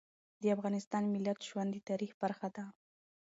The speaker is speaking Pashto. د افغانستان د ملت ژوند د تاریخ برخه ده.